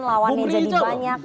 lawannya jadi banyak